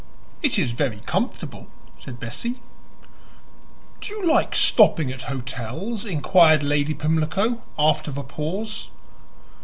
"It is very comfortable," said Bessie. "Do you like stopping at hotels?" inquired Lady Pimlico after a pause.